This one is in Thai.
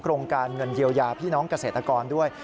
โครงการเงินเยียวยาพี่น้องเกษตรกรด้วย